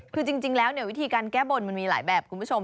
คือจริงแล้ววิธีการแก้บนมันมีหลายแบบคุณผู้ชม